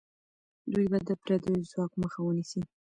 دوی به د پردیو ځواک مخه ونیسي.